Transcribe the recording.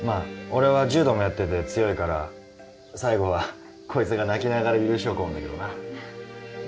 俺は柔道もやってて強いから最後はこいつが泣きながら許しを乞うんだけどな。